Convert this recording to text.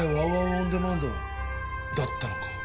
オンデマンドだったのか。